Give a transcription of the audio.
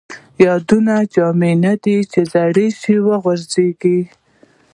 یادونه جامې نه دي ،چې زړې شي وغورځيږي